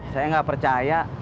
saya gak percaya